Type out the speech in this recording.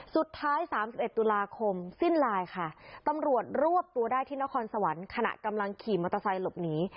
สุดท้าย๓๑ตุลาคมสิ้นลายค่ะตำรวจรวบตัวได้ที่นครสวรรค์ขณะกำลังขี่มอเตอร์ไซค์หลบหนี